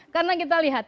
karena kita lihat